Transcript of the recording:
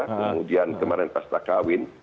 kemudian kemarin pesta kawin